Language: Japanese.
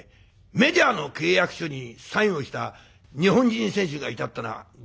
メジャーの契約書にサインをした日本人選手がいたってのはご存じですか？